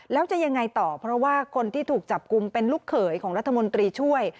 แล้วจะยังไงต่อเพราะว่าคนที่ถูกจับกลุ่มเป็นลูกเขยของรัฐมนตรีช่วย